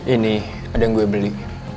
ini ada yang gue beli